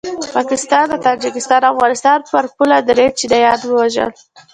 پاکستان د تاجکستان او افغانستان پر پوله دري چینایان ووژل